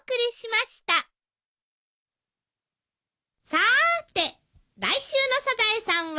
さーて来週の『サザエさん』は？